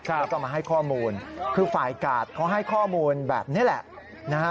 แล้วก็มาให้ข้อมูลคือฝ่ายกาดเขาให้ข้อมูลแบบนี้แหละนะฮะ